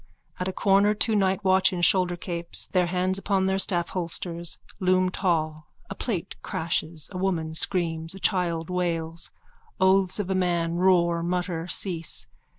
At a corner two night watch in shouldercapes, their hands upon their staffholsters, loom tall. A plate crashes: a woman screams: a child wails. Oaths of a man roar, mutter, cease.